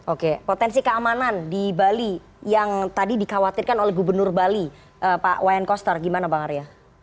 oke potensi keamanan di bali yang tadi dikhawatirkan oleh gubernur bali pak wayan koster gimana bang arya